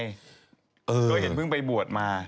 เลยเห็นพึ่งไปบวชมา